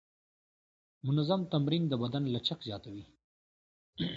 منظم تمرین د بدن لچک زیاتوي.